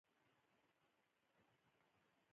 خوبان پر رقیبانو بد لګيږي.